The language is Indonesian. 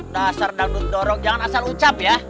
dasar dangdut dorong jangan asal ucap ya